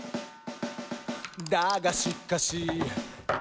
「だがしかし」